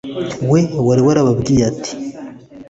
We wari warababwiye ati